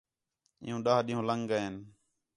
عِیُّوں ݙَاہ ݙِین٘ہوں لنڳ ڳئین